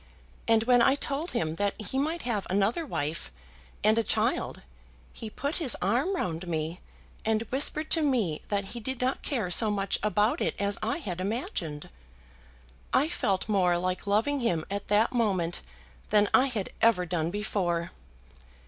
And when I told him that he might have another wife and a child, he put his arm round me and whispered to me that he did not care so much about it as I had imagined. I felt more like loving him at that moment than I had ever done before."